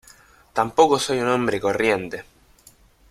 tampoco soy un hombre corriente.